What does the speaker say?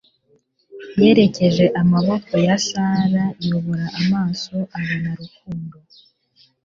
Yerekeje amaboko ya Sara yubura amaso, abona Rukundo